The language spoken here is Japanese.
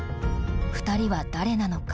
２人は誰なのか。